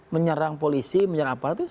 menyerang polisi menyerang aparat itu